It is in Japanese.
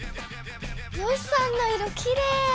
よしさんの色きれい！